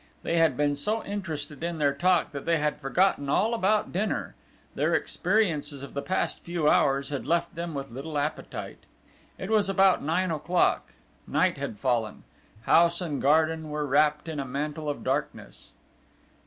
They had been so interested in their talk, that they had forgotten all about dinner: their experiences of the past few hours had left them with little appetite. It was about nine o'clock; night had fallen: house and garden were wrapped in a mantle of darkness.